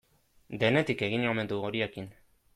Denetik egin omen du horiekin.